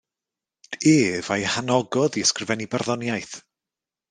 Ef a'i hanogodd i ysgrifennu barddoniaeth.